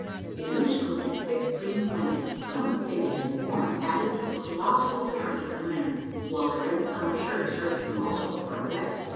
A loose coat of thick green blanket, somewhat faded and worn, added to the colossal appearance of the man; while a red flannel shirt served him also for a vest.